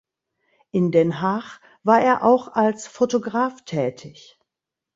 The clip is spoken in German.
In Den Haag war er auch als Fotograf tätig.